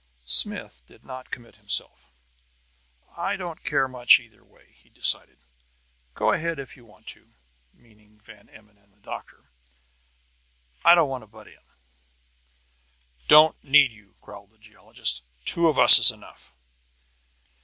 Smith did not commit himself. "I don't care much either way," he decided. "Go ahead if you want to" meaning Van Emmon and the doctor "I don't want to butt in." "Don't need you," growled the geologist. "Two of us is enough."